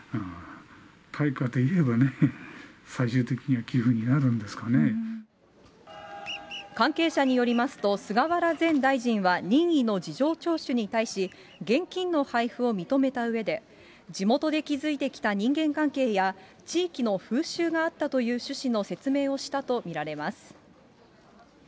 対価でいえばね、関係者によりますと、菅原前大臣は任意の事情聴取に対し、現金の配布を認めたうえで、地元で築いてきた人間関係や、地域の風習があったという趣旨の説明をしたと見られます。